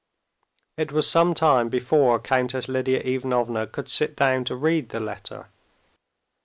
It was some time before Countess Lidia Ivanovna could sit down to read the letter.